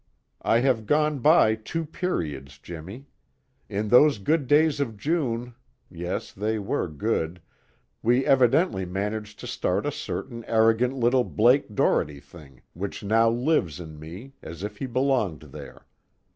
"I have gone by two periods, Jimmy. In those good days of June yes, they were good we evidently managed to start a certain arrogant little Blake Doherty thing which now lives in me as if he belonged there.